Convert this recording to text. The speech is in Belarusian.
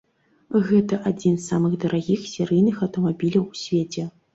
Гэта адзін з самых дарагіх серыйных аўтамабіляў у свеце.